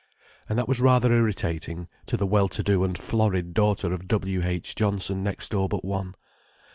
And that was rather irritating to the well to do and florid daughter of W.H. Johnson, next door but one.